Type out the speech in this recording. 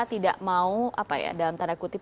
tidak mau apa ya dalam tanda kutip